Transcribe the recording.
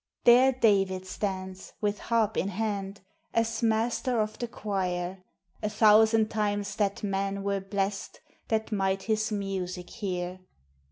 There David stands, with harp in hand, As master of the choir; A thousand times that man were blest That might his music hear.